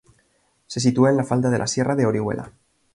Se sitúa en la falda de la sierra de Orihuela.